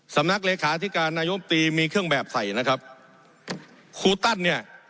สำนักเลขาธิการนายมตรีมีเครื่องแบบใส่นะครับครูตั้นเนี่ย